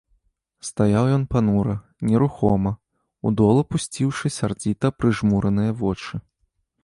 Стаяў ён панура, нерухома, у дол апусціўшы сярдзіта прыжмураныя вочы.